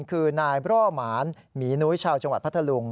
คือนายบร่อหมานหมีนุ้ยชาวจังหวัดพัทธลุง